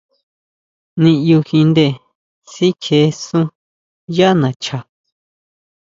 Niʼyujinʼndé sikjiʼesun yá nacha.